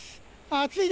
暑い！